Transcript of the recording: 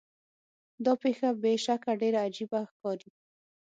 دا پیښه بې شکه ډیره عجیبه ښکاري.